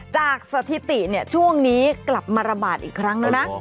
สถิติช่วงนี้กลับมาระบาดอีกครั้งแล้วนะ